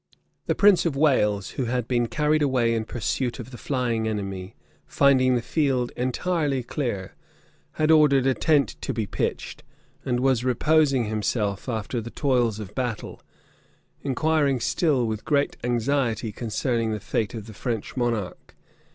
The prince of Wales, who had been carried away in pursuit of the flying enemy, finding the field entirely clear, had ordered a tent to be pitched, and was reposing himself after the toils of battle; inquiring still with great anxiety concerning the fate of the French monarch.